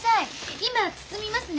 今包みますね。